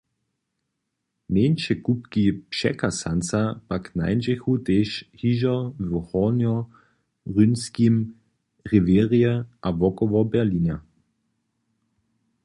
Mjeńše kupki překasanca pak nańdźechu tež hižo w Hornjorynskim rewěrje a wokoło Berlina.